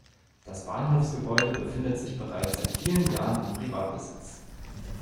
Das Bahnhofsgebäude befindet sich bereits seit vielen Jahren in Privatbesitz.